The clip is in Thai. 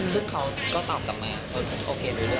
ซึ่งเขาก็ตอบต่อมาโอเครู้เรื่อง